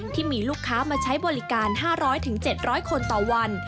ที่มีลูกค้ามาใช้บริการ๕๐๐๗๐๐คนต่อวัน